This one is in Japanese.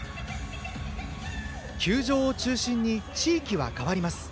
球場を中心に地域は変わります。